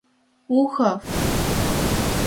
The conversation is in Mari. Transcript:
Ухов!